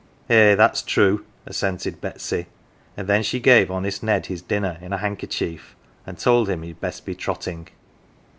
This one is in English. " Eh, that's true," assented Betsy, and then she gave honest Ned his dinner in a handkerchief, and told him he'd best be trotting.